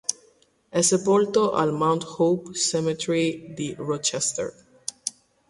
È sepolto al Mount Hope Cemetery di Rochester.